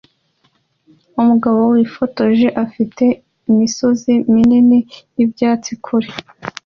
umugabo wifotoje afite imisozi minini y'ibyatsi kure